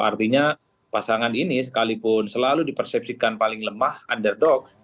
artinya pasangan ini sekalipun selalu dipersepsikan paling lemah underdog